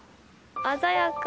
鮮やか。